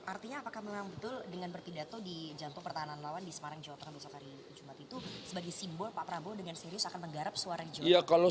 artinya apakah memang betul dengan berpidato di jantung pertahanan lawan di semarang jawa tengah besok hari jumat itu sebagai simbol pak prabowo dengan serius akan menggarap suara jawa tengah